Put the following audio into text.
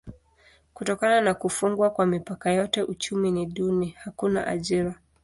Kutokana na kufungwa kwa mipaka yote uchumi ni duni: hakuna ajira.